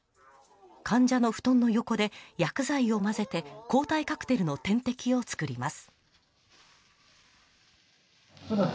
患者の布団の横で薬剤を混ぜて抗体カクテルの点滴を作ります。